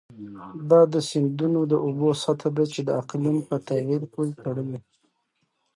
دا د سیندونو د اوبو سطحه ده چې د اقلیم په تغیر پورې تړلې.